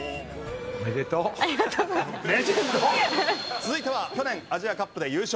続いては去年アジアカップで優勝